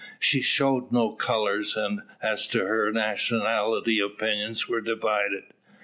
She showed no colours, and as to her nationality opinions were divided.